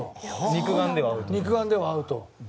肉眼ではアウト。